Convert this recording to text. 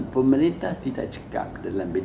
pemerintah tidak cekap dalam